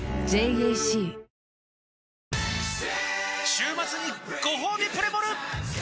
週末にごほうびプレモル！